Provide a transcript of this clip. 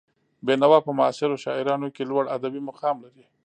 بېنوا په معاصرو شاعرانو کې لوړ ادبي مقام لري.